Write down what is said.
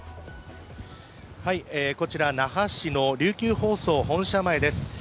こちら、那覇市の琉球放送本社前です。